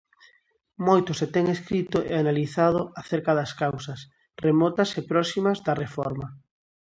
Moito se ten escrito e analizado acerca das causas, remotas e próximas, da Reforma.